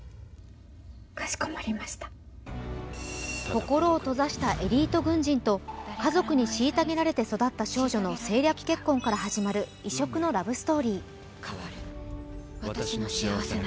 心を閉ざしたエリート軍人と家族に虐げられて育った少女の政略結婚から始まる異色のラブストーリー。